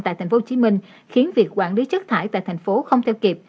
tại tp hcm khiến việc quản lý chất thải tại tp hcm không theo kịp